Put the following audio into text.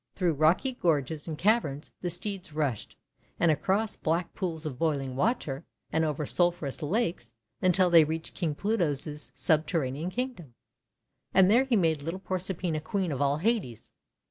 Through rocky gorges and caverns the steeds rushed, and across black pools of boiling water, and over sulphurous lakes, until they reached King Pluto's subterranean Kingdom. And there he made little Proserpina Queen of all Hades.